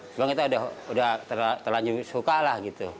cuman kita sudah terlanjur suka lah gitu